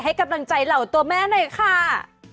ให้กำลังใจเหล่าตัวแม่หน่อยค่ะ